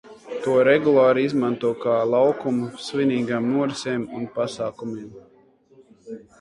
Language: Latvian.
To regulāri izmanto kā laukumu svinīgām norisēm un pasākumiem.